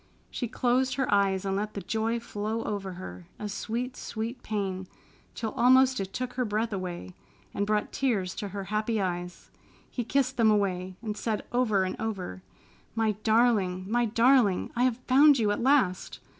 She closed her eyes and let the joy flow over her, a sweet, sweet pain, till almost it took her breath away, and brought tears to her happy eyes. He kissed them away, and said over and over, "My darling! My darling! I have found you at last!"